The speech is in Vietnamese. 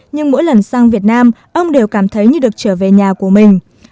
nhưng mỗi lần sang việt nam ông đều cảm thấy như được trở về nhà của mình